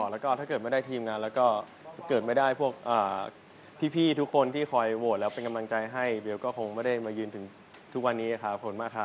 แล้วก็ถ้าเกิดไม่ได้ทีมงานแล้วก็เกิดไม่ได้พวกพี่ทุกคนที่คอยโหวตแล้วเป็นกำลังใจให้เบลก็คงไม่ได้มายืนถึงทุกวันนี้ครับขอบคุณมากครับ